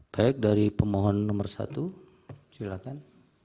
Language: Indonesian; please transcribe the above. baik dari pemohon nomor satu silakan